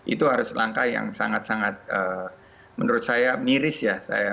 itu harus langkah yang sangat sangat menurut saya miris ya